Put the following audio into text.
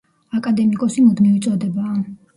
აკადემიკოსი მუდმივი წოდებაა.